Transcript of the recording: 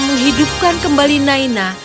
menghidupkan kembali naina